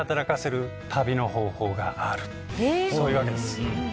あるそういうわけです。